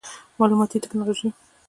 معلوماتي ټکنالوجي